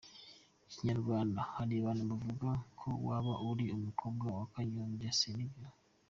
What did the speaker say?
Inyarwanda:hari abantu bavuga ko waba uri umukobwa wa Kanyombya, ese nibyo?.